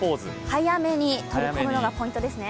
早めに取り込むのがポイントですね。